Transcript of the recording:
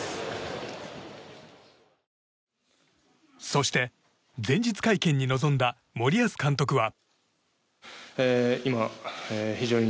そして、前日会見に臨んだ森保監督は。